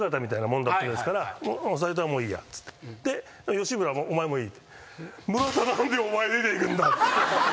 吉村もお前もいい。